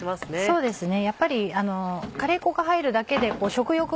そうですね。